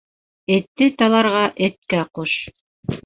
Этте таларға эткә ҡуш.